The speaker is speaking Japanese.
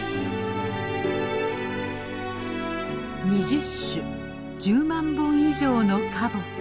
２０種１０万本以上の花木。